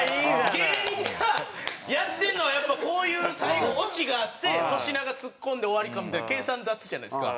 芸人がやってんのはやっぱこういう最後オチがあって粗品がツッコんで終わりかみたいな計算立つじゃないですか。